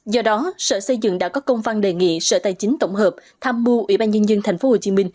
do đó sở xây dựng đã có công văn đề nghị sở tài chính tổng hợp tham mưu ubnd tp hcm